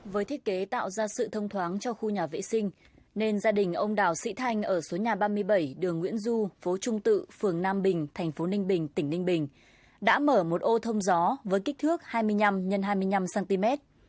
với thiết kế tạo ra sự thông thoáng cho khu nhà vệ sinh nên gia đình ông đào sĩ thanh ở số nhà ba mươi bảy đường nguyễn du phố trung tự phường nam bình thành phố ninh bình tỉnh ninh bình đã mở một ô thông gió với kích thước hai mươi năm x hai mươi năm cm